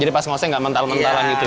jadi pas ngoseng gak mentah mentahan gitu ya